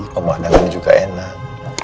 pemadangan juga enak